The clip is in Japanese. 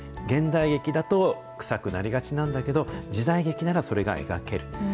現代劇だとくさくなりがちなんだけど、時代劇ならそれが描ける。